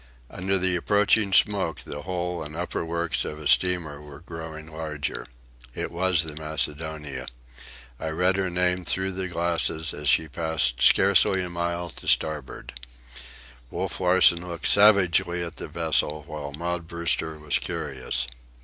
Under the approaching smoke the hull and upper works of a steamer were growing larger. It was the Macedonia. I read her name through the glasses as she passed by scarcely a mile to starboard. Wolf Larsen looked savagely at the vessel, while Maud Brewster was curious.